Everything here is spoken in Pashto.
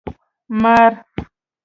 🪱 مار